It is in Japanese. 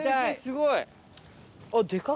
すごい。